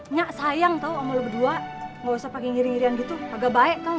nggak sayang tau sama lo berdua ga usah pake ngiri dua an gitu agak baik tau ga